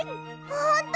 ほんと！？